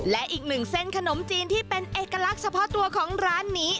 และอีกหนึ่งเส้นขนมจีนที่เป็นเอกลักษณ์เฉพาะตัวของร้านนี้